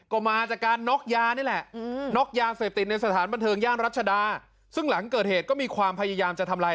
ก็มาจากการน็อกยานี่แหละน็อกยาเสพติดในสถานบันเทิงย่างรัชดา